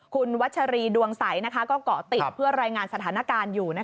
คุณวัชรีดวงใสก็เกาะติดเพื่อรายงานสถานการณ์อยู่